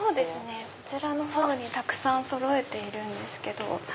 そちらのほうにたくさんそろえているんですけど。